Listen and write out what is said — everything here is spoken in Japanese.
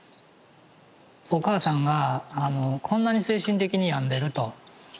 お母さんがこんなに精神的に病んでると。